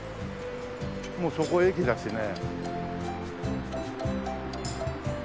もうそこ駅だしね。